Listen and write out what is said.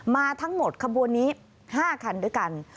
มาทั้งหมดขบวนนี้๕คันด้วยกัน